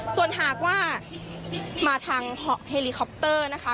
ส่วนหากว่ามาทางเฮลิคอปเตอร์นะคะ